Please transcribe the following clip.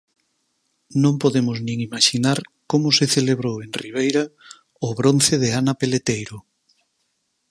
Non podemos nin imaxinar como se celebrou en Ribeira o bronce de Ana Peleteiro.